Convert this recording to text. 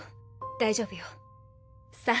大丈夫よ。さあ。